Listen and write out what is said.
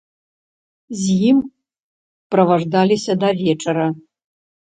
З ім праваждаліся да вечара.